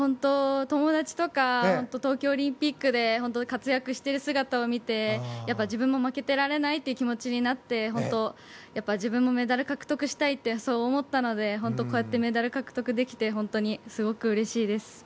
友達とか東京オリンピックで活躍している姿を見てやっぱり自分も負けてられないという気持ちになって本当に自分もメダル獲得したいと思ったので本当に、こうやってメダルを獲得できてすごくうれしいです。